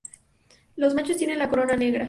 Los machos tienen la corona negra.